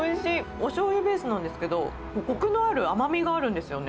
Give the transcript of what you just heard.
おしょうゆベースなんですけど、こくのある甘みがあるんですよね。